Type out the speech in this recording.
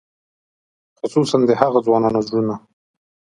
خصوصاً د هغو ځوانانو زړونه.